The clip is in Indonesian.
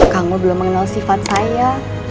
kang mul belum mengenal sifat saya